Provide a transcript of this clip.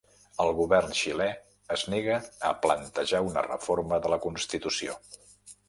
El govern xilè es nega a plantejar una reforma de la Constitució